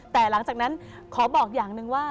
แต่หลังจากนั้นขอบอกอย่างหนึ่งว่า